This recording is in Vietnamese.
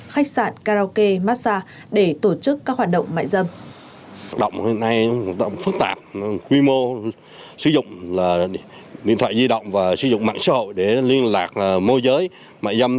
khách sạn karaoke massage để tổ chức các hoạt động mại dâm